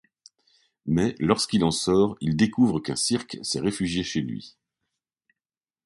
Mais lorsqu'il en sort, il découvre qu'un cirque s'est réfugié chez lui.